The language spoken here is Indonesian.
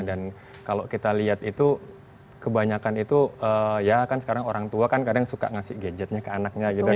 dan kalau kita lihat itu kebanyakan itu ya kan sekarang orang tua kan kadang suka ngasih gadgetnya ke anaknya gitu kan ya